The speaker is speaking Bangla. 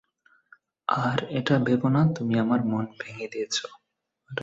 আর এটা ভেবো না, তুমি আমার মন ভেঙে দিয়েছো।